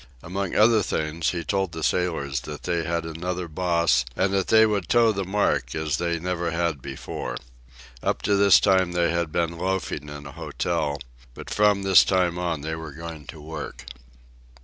Among other things he told the sailors that they had another boss, and that they would toe the mark as they never had before. Up to this time they had been loafing in an hotel, but from this time on they were going to work.